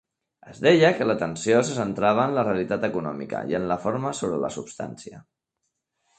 Es deia que l'atenció se centrava en la "realitat econòmica" i en la forma sobre la substància.